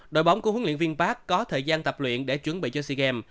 đội bóng của huấn luyện viên park có thời gian tập luyện để chuẩn bị cho sea games